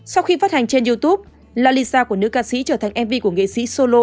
sau khi phát hành trên youtube lalisa của nữ ca sĩ trở thành mv của nghệ sĩ solo